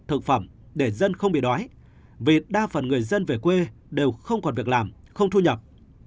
thực phẩm để dân không bị đói vì đa phần người dân về quê đều không còn việc làm không thu nhập